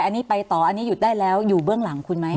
อันนี้ไปต่ออันนี้หยุดได้แล้วอยู่เบื้องหลังคุณไหม